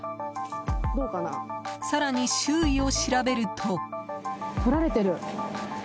更に周囲を調べると。